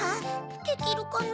できるかな？